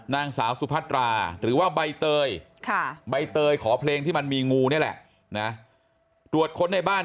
นางสาวสุพัตราหรือว่าใบเตยใบเตยขอเพลงที่มันมีงูนี่แหละนะตรวจค้นในบ้าน